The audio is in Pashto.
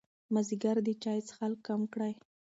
مازدیګر د چای څښل کم کړئ.